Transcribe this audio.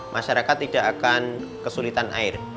masyarakat tidak akan kesulitan air